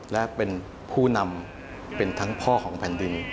และเป็นผู้นำเป็นทั้งพ่อของแผ่นดิน